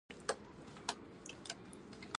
که شاوخوا خلک له تاسې نه شکایت وکړي.